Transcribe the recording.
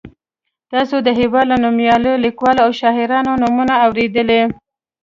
تاسو د هېواد له نومیالیو لیکوالو او شاعرانو نومونه اورېدلي.